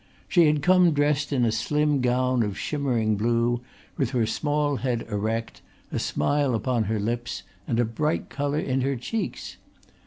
She had come dressed in a slim gown of shimmering blue with her small head erect, a smile upon her lips and a bright colour in her cheeks.